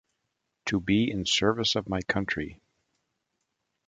To be in service of my country.